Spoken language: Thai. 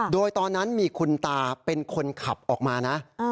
โดยตอนนั้นมีคุณตาเป็นคนขับออกมานะ